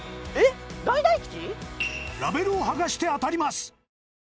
ラベルをはがして当たります！